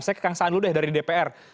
saya ke kang saan dulu deh dari dpr